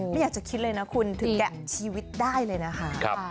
ไม่อยากจะคิดเลยนะคุณถึงแกะชีวิตได้เลยนะคะ